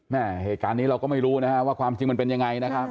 เหตุการณ์นี้เราก็ไม่รู้นะฮะว่าความจริงมันเป็นยังไงนะครับ